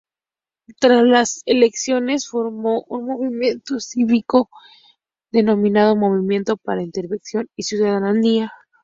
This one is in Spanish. Tras las elecciones, formó un movimiento cívico denominado Movimiento para Intervención y Ciudadanía.